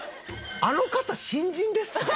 あの方新人ですか？